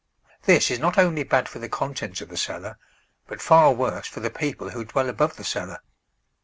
This is not only bad for the contents of the cellar, but far worse for the people who dwell above the cellar.